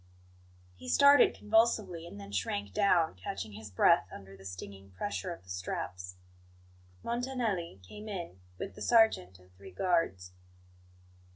He started convulsively, and then shrank down, catching his breath under the stinging pressure of the straps. Montanelli came in with the sergeant and three guards.